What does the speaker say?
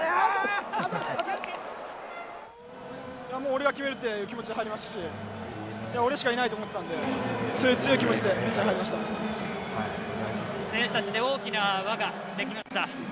俺が決めるっていう気持ちで入りましたし俺しかいないと思っていたのでそういう強い気持ちで選手たちの大きな輪ができました。